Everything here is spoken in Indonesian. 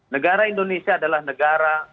negara indonesia adalah negara